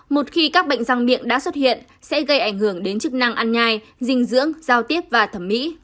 một khi các bệnh răng miệng đã xuất hiện sẽ gây ảnh hưởng đến chức năng ăn nhai dinh dưỡng giao tiếp và thẩm mỹ